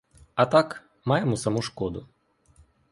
А так — маємо саму шкоду.